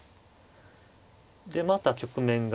でまた局面が。